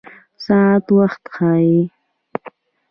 ساعت وخت ښيي